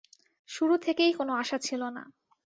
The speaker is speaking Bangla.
শুরু থেকেই কোন আশা ছিল না।